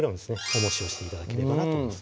重石にして頂ければなと思います